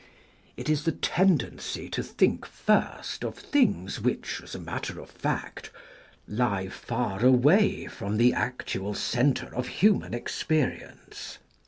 It is the tendency to think first of things which, as a matter of fact, lie far away from the actual centre of human experience.